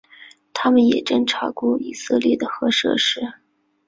它们也侦察过以色列的核设施。